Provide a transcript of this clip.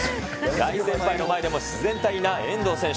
大先輩の前でも自然体な遠藤選手。